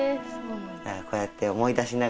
こうやって思い出しながらですね